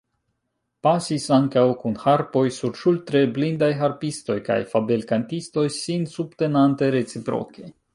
Pasis ankaŭ kun harpoj surŝultre blindaj harpistoj kaj fabelkantistoj, sin subtenante reciproke.